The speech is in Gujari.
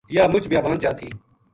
یاہ مُچ بیابان جا تھی